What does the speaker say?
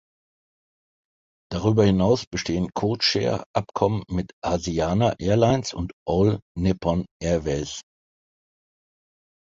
Darüber hinaus bestehen Codeshare-Abkommen mit Asiana Airlines und All Nippon Airways.